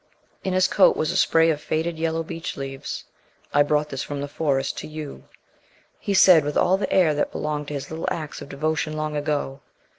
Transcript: In his coat was a spray of faded yellow beech leaves. "I brought this from the Forest to you," he said, with all the air that belonged to his little acts of devotion long ago.